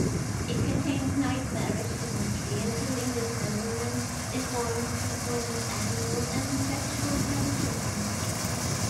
It contains nightmarish imagery, including dismemberment, deformed people and animals, and sexual fetishism.